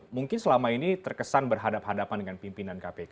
mungkin selama ini terkesan berhadapan hadapan dengan pimpinan kpk